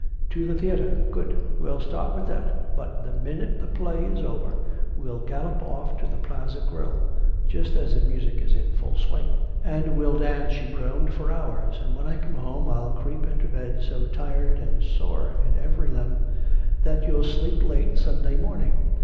"To the theater." "Good. We'll start with that. But the minute the play is over we'll gallop off to the Plaza Grill just as the music is in full swing " "And we'll dance," she groaned, "for hours. And when I get home, I'll creep into bed so tired and sore in every limb " "That you'll sleep late Sunday morning.